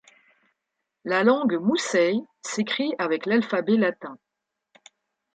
La langue moussey s'écrit avec l'alphabet latin.